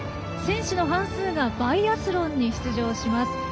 選手の半数がバイアスロンに出場します。